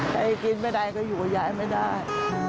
ถ้าเอ็งกินไม่ได้ก็อยู่กับยายไม่ได้